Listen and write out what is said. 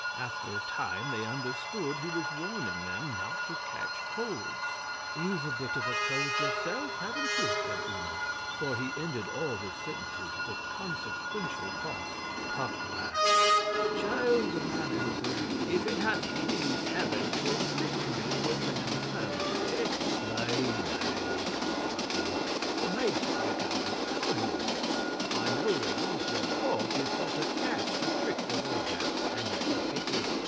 After a time they understood he was warning them not to catch colds. 'You've a bit of a cold yourself, haven't you?' said Una, for he ended all his sentences with a consequential cough. Puck laughed. 'Child,' the man answered, 'if it hath pleased Heaven to afflict me with an infirmity ' 'Nay, nay,' Puck struck In, 'the maid spoke out of kindness. I know that half your cough is but a catch to trick the vulgar; and that's a pity.